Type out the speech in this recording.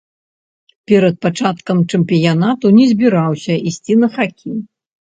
Перад пачаткам чэмпіянату не збіраўся ісці на хакей.